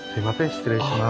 失礼します。